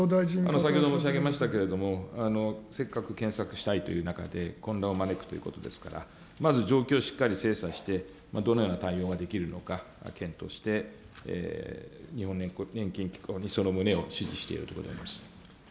先ほども申し上げましたけれども、せっかく検索したいという中で、混乱を招くということですから、まず状況をしっかり精査して、どのような対応ができるのか、検討して日本年金機構にその旨を指示しているところであります。